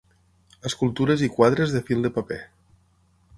Escultures i quadres de fil de paper.